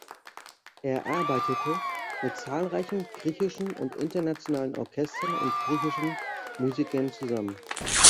Er arbeitete mit zahlreichen griechischen und internationalen Orchestern und griechischen Musikern zusammen.